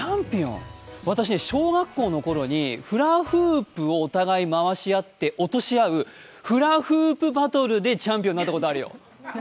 私小学校のころにフラフープをお互いいに回して落とし合うフラフープバトルでチャンピオンになったことあるよ。